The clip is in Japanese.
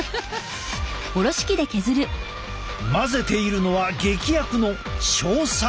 混ぜているのは劇薬の硝酸。